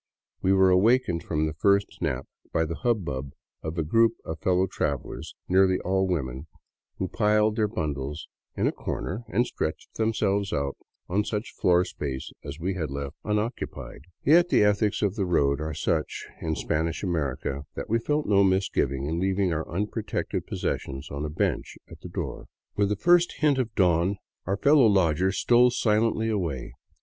We were awakened from the first nap by the hubbub of a group of fellow travelers, nearly all women, who piled their bundles in a corner and stretched themselves out on such floor space as we had left unoc 49 VAGABONDING DOWN THE ANDES cupied. Yet the ethics of the road are such in Spanish America that we felt no misgiving in leaving our unprotected possessions on a bencb at the door. With the first hint of dawn our fellow lodgers stole silently away.